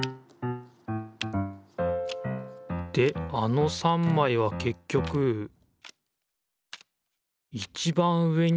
であの３まいはけっきょくいちばん上に来る。